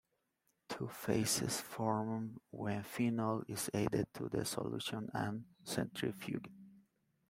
Two "phases" form when phenol is added to the solution and centrifuged.